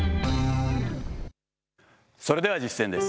それでは実践です。